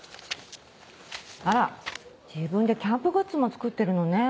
あら自分でキャンプグッズも作ってるのね。